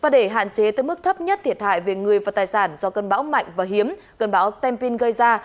để hạn chế tới mức thấp nhất thiệt hại về người và tài sản do cơn bão mạnh và hiếm cơn bão tampin gây ra